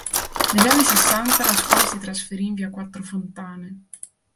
Negli anni sessanta la scuola si trasferì in via Quattro Fontane.